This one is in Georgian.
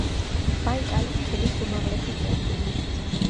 ბაიკალის ქედის უმაღლესი წერტილი.